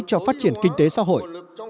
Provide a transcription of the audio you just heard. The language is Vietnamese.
cho phát triển kinh tế xã hội